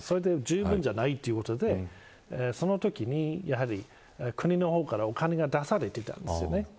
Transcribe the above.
じゅうぶんじゃないということでそのときに、国の方からお金が出されていたんです。